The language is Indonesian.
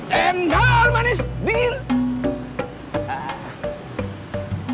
cendol manis dingin